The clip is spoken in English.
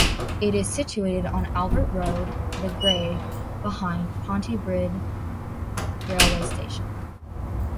It is situated on Albert Road, the Graig, behind Pontypridd Railway Station.